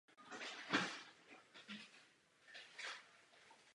Celá pětičlenná posádka letadla na místě zahynula.